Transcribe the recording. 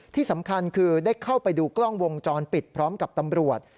ที่สำคัญคือได้เข้าไปดูกล้องวงจรปิดพร้อมกับตำรวจ